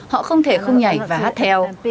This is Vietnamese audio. họ không thể không nhảy và hát theo